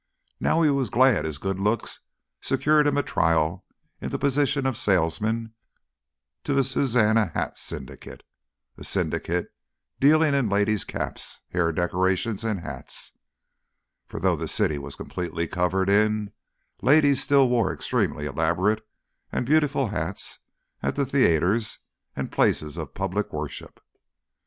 Now he was glad his good looks secured him a trial in the position of salesman to the Suzannah Hat Syndicate, a Syndicate, dealing in ladies' caps, hair decorations, and hats for though the city was completely covered in, ladies still wore extremely elaborate and beautiful hats at the theatres and places of public worship.